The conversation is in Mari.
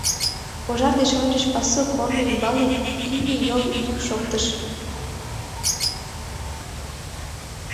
Пожар деч ончыч пасу корно ӱмбалне имне йол йӱк шоктыш.